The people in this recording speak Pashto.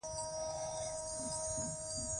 لوحه د زده کوونکو د پوهې ثبتولو وسیله وه.